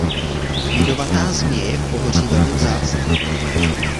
Jedovatá zmije je v pohoří velmi vzácná.